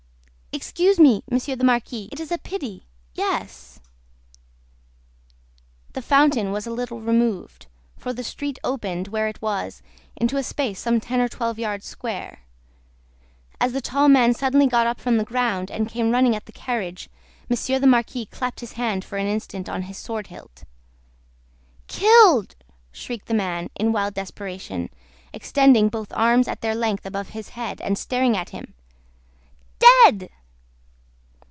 "Excuse me, Monsieur the Marquis it is a pity yes." The fountain was a little removed; for the street opened, where it was, into a space some ten or twelve yards square. As the tall man suddenly got up from the ground, and came running at the carriage, Monsieur the Marquis clapped his hand for an instant on his sword hilt. "Killed!" shrieked the man, in wild desperation, extending both arms at their length above his head, and staring at him. "Dead!"